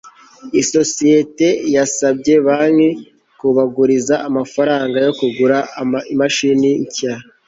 isosiyete yasabye banki kubaguriza amafaranga yo kugura imashini nshya